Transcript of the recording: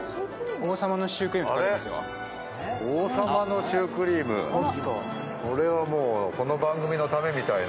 王様のシュークリーム、これはもうこの番組のためみたいな。